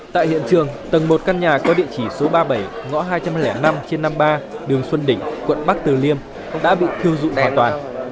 tại hiện trường tầng một căn nhà có địa chỉ số ba mươi bảy ngõ hai trăm linh năm trên năm mươi ba đường xuân đỉnh quận bắc từ liêm đã bị thiêu dụi hoàn toàn